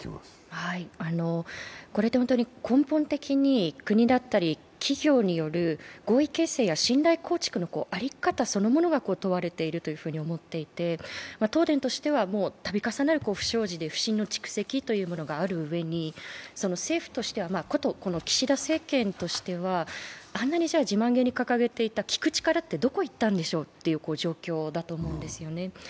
根本的に国だったり企業による合意形成や信頼構築のあり方そのものが問われているというふうに思っていて東電としては度重なる不祥事で不信の蓄積というものがあるうえに、政府としては、ことこの岸田政権としてはあんなに自慢げに掲げていた聞く力ってどこへいったんでしょうという状況だと思うんですよね。